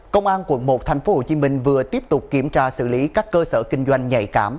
công an quận một tp hcm vừa tiếp tục kiểm tra xử lý các cơ sở kinh doanh nhạy cảm